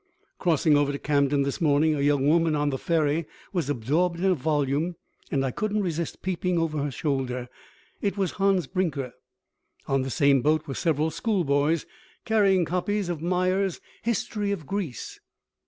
Crossing over to Camden this morning a young woman on the ferry was absorbed in a volume, and I couldn't resist peeping over her shoulder. It was "Hans Brinker." On the same boat were several schoolboys carrying copies of Myers' "History of Greece."